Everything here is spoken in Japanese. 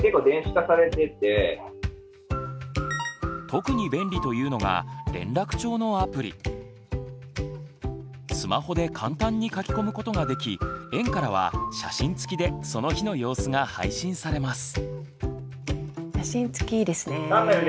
特に便利というのがスマホで簡単に書き込むことができ園からは写真つきでその日の様子が配信されます。